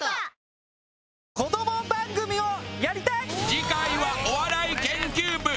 次回はお笑い研究部。